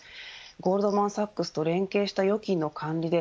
ゴールドマン・サックスと連携した預金の上で